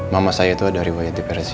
mama saya tuh ada riwayat diversi